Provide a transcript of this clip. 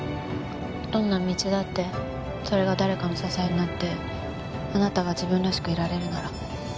どんな道だってそれが誰かの支えになってあなたが自分らしくいられるなら。